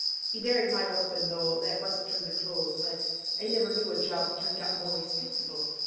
He buried my 'usband; though that wasn't from the Close; but I never knew a job turned out more respectable.